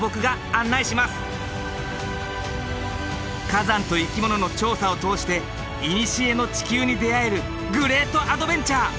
火山と生き物の調査を通していにしえの地球に出会えるグレートアドベンチャー！